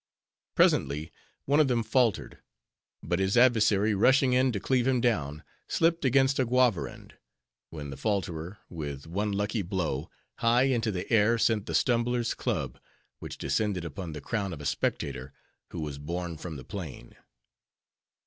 Presently, one of them faltered; but his adversary rushing in to cleave him down, slipped against a guavarind; when the falterer, with one lucky blow, high into the air sent the stumbler's club, which descended upon the crown of a spectator, who was borne from the plain.